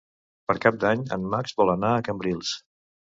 Per Cap d'Any en Max vol anar a Cambrils.